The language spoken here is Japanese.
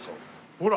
ほら！